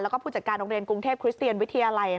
แล้วก็ผู้จัดการโรงเรียนกรุงเทพคริสเตียนวิทยาลัย